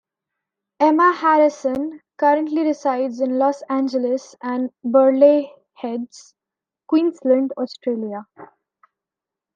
Emma Harrison currently resides in Los Angeles and Burleigh Heads, Queensland, Australia.